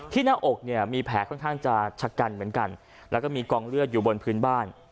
หน้าอกเนี่ยมีแผลค่อนข้างจะชะกันเหมือนกันแล้วก็มีกองเลือดอยู่บนพื้นบ้าน